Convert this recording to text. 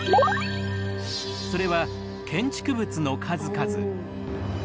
それは建築物の数々。